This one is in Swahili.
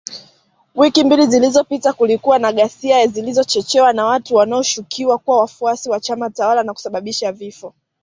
Wiki mbili zilizopita kulikuwa na ghasia zilizochochewa na watu wanaoshukiwa kuwa wafuasi wa chama tawala na kusababisha vifo.